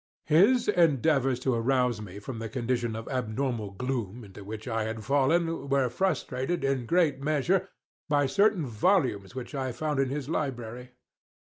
His endeavors to arouse me from the condition of abnormal gloom into which I had fallen, were frustrated, in great measure, by certain volumes which I had found in his library.